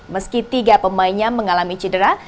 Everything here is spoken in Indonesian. meski tiga pemainnya mengalami cedera